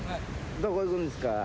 どこ行くんですか？